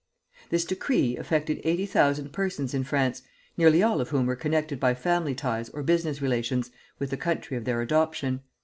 This decree affected eighty thousand persons in France, nearly all of whom were connected by family ties or business relations with the country of their adoption.